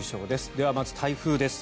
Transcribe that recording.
ではまず台風です。